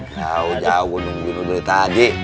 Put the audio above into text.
jauh jauh nunggu lo dari tadi